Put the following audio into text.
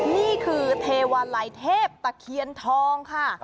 นี่คือเทวาลัยเทพตะเคียนทองค่ะ